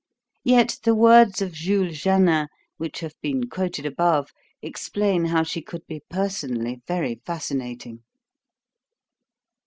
Yet the words of Jules Janin, which have been quoted above, explain how she could be personally very fascinating.